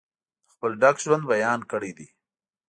د خپل ډک ژوند بیان کړی دی.